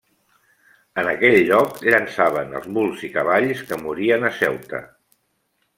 En aquell lloc llançaven els muls i cavalls que morien a Ceuta.